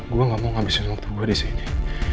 gue gak mau ngabisin waktu gue disini